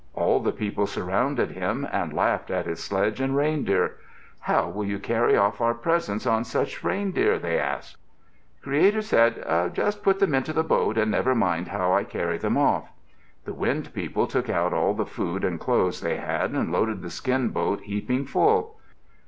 All the people surrounded him and laughed at his sledge and reindeer. "How will you carry off our presents on such reindeer?" they asked. Creator said, "Just put them into the boat and never mind how I carry them off." The Wind People took out all the food and clothes they had and loaded the skin boat heaping full.